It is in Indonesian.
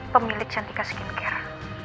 pemilik cantika skincare